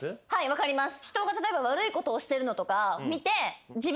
分かります。